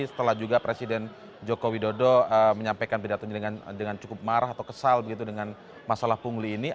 setelah juga presiden joko widodo menyampaikan pidatonya dengan cukup marah atau kesal begitu dengan masalah pungli ini